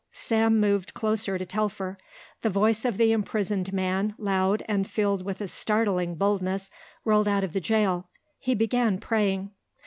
Sam moved closer to Telfer. The voice of the imprisoned man, loud, and filled with a startling boldness, rolled out of the jail. He began praying.